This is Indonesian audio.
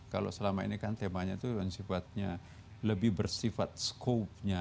kalau selama ini kan temanya tuh sifatnya lebih bersifat skopenya